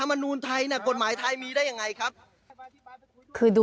อรุณเสริมวิ่งอาจรบเทนตะ